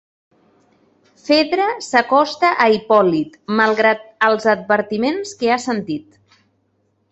Fedra s'acosta a Hipòlit, malgrat els advertiments que ha sentit.